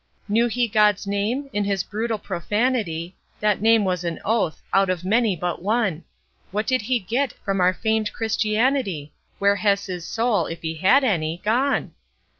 ..... Knew he God's name? In his brutal profanity, That name was an oath out of many but one What did he get from our famed Christianity? Where has his soul if he had any gone?